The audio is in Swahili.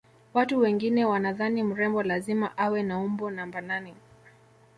watu wengine wanadhani mrembo lazima awe na umbo namba nane